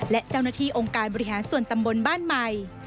และเจ้าหน้าที่องค์การบริหารส่วนตำบลบ้านใหม่